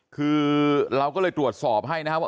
คือเราก็เลยตรวจสอบให้นะครับว่า